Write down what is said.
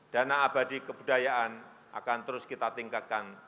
dana abadi kebudayaan akan terus kita tingkatkan